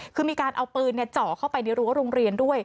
คือมีการเอาปืนเจาะเข้าไปในรั้วโรงเรียนด้วย